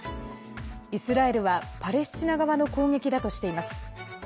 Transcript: イスラエルは、パレスチナ側の攻撃だとしています。